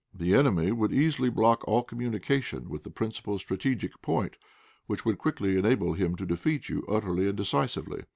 The enemy would easily block all communication with the principal strategic point, which would quickly enable him to defeat you utterly and decisively.